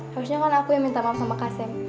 harusnya kan aku yang minta maaf sama kasem